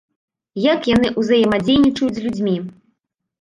Як яны ўзаемадзейнічаюць з людзьмі!